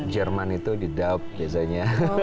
jerman itu didub biasanya